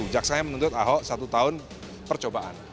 jaksanya menuntut ahok satu tahun percobaan